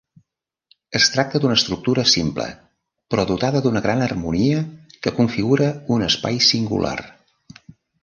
Es tracta d'una estructura simple, però dotada d'una gran harmonia, que configura un espai singular.